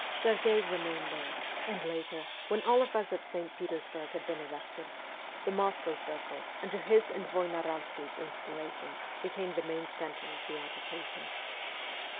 Serghei remained there, and later, when all of us at St. Peters burg had been arrested, the Moscow circle, under his inspiration, became the main centre of the agitation.